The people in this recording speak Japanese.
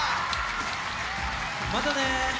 またね！